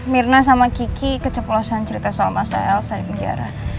mirna sama kiki keceplosan cerita soal masal saya di penjara